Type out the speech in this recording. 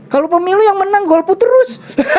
kalau pemilu yang menang golput terus